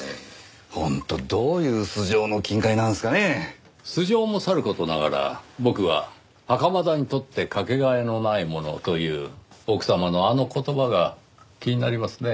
本当どういう素性の金塊なんですかね？素性もさる事ながら僕は「袴田にとって掛け替えのないもの」という奥様のあの言葉が気になりますねぇ。